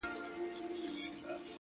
• زما په ژوند کي د وختونو د بلا ياري ده،